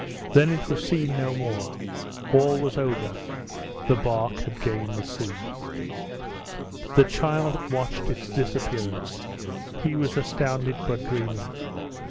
Then it was seen no more all was over the bark had gained the sea. The child watched its disappearance he was astounded but dreamy.